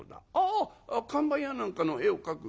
「あ看板や何かの絵を描く」。